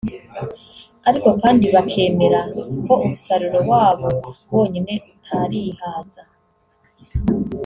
ariko kandi bakemera ko umusaruro wabo wonyine utarihaza